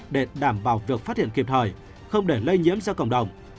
để đảm bảo việc phát hiện kịp thời không để lây nhiễm ra cộng đồng